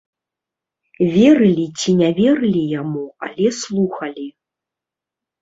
Верылі ці не верылі яму, але слухалі.